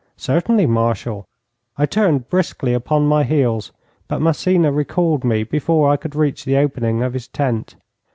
'Certainly, Marshal.' I turned briskly upon my heels, but Massena recalled me before I could reach the opening of his tent.